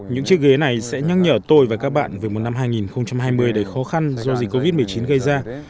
những chiếc ghế này sẽ nhắc nhở tôi và các bạn về một năm hai nghìn hai mươi đầy khó khăn do dịch covid một mươi chín gây ra